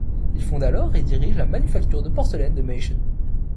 Il fonde alors et dirige la manufacture de porcelaine de Meissen.